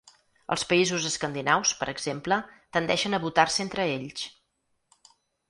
Els països escandinaus, per exemple, tendeixen a votar-se entre ells.